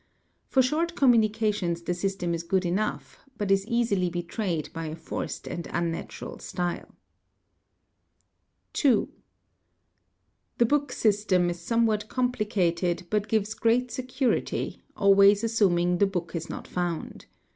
For short communications the system is good enough but is easily betrayed by a forced and unnatural style. 2. The book system is somewhat complicated but gives great security, always assuming the book is not found.